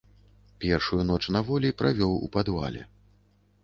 Першую ноч на волі правёў у падвале.